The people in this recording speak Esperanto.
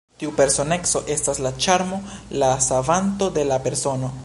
Tiu personeco estas la ĉarmo, la savanto de la persono.